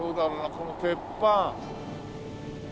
この鉄板。